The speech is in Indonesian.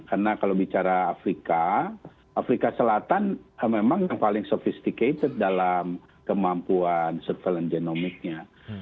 karena kalau bicara afrika afrika selatan memang yang paling sophisticated dalam kemampuan surveillance genomicnya